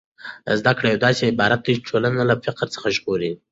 زده کړه یو داسې عبادت دی چې ټولنه له فقر څخه ژغوري.